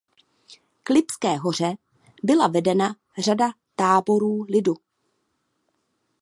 K Lipské hoře byla vedena řada táborů lidu.